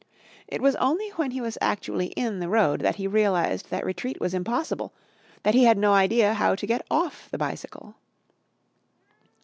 It was only when he was actually in the road that he realised that retreat was impossible, that he had no idea how to get off the bicycle.